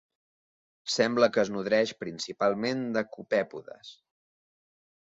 Sembla que es nodreix principalment de copèpodes.